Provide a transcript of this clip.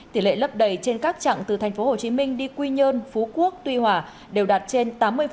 tỷ lệ lấp đầy trên các chặng từ tp hcm đi quy nhơn phú quốc tuy hòa đều đạt trên tám mươi